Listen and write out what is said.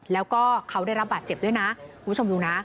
แล้วก็เขาได้รับบาดเจ็บด้วยนะคุณผู้ชมดูนะ